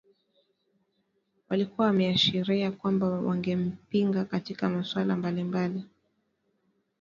walikuwa wameashiria kwamba wangempinga katika masuala mbalimbali